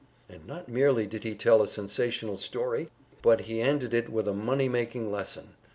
And not merely did he tell a sensational story, but he ended it with a money making lesson.